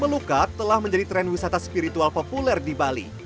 melukat telah menjadi tren wisata spiritual populer di bali